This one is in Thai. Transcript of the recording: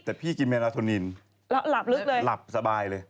แต่พี่กินเมลาโทนินแล้วหลับลึกเลยหลับสบายเลย